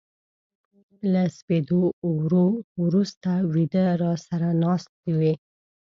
له سپېدو ورو سته و يده را سره ناست وې